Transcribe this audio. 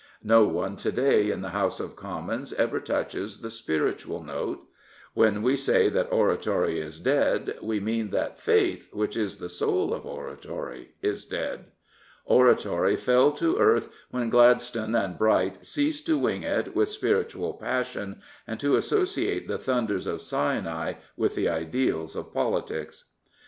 No one to day in the House of Commons ever touches the spiritual note. When we say that oratory is dead we mean that faith, which is the soul of oratory, is dead. Oratory fell to earth when Gladstone and Bright ceased to wing it with spiritual passion, and to associate the thunders of Sinai with the ideals of politics.